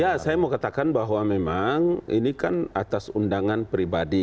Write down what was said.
ya saya mau katakan bahwa memang ini kan atas undangan pribadi